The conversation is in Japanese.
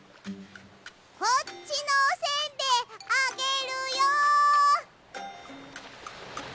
こっちのおせんべいあげるよ！